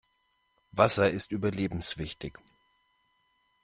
Wasser ist überlebenswichtig.